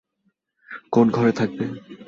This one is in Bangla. কোন ঘরে থাকবে।